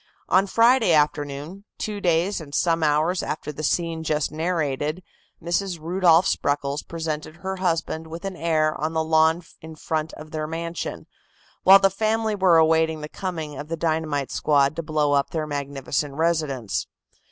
On Friday afternoon, two days and some hours after the scene just narrated, Mrs. Rudolph Spreckels presented her husband with an heir on the lawn in front of their mansion, while the family were awaiting the coming of the dynamite squad to blow up their magnificent residence.